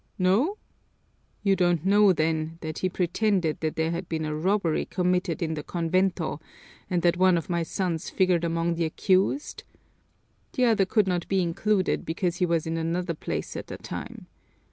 No? You don't know, then, that he pretended that there had been a robbery committed in the convento and that one of my sons figured among the accused? The other could not be included because he was in another place at the time.